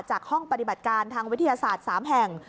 ห้องปฏิบัติการทางวิทยาศาสตร์๓แห่ง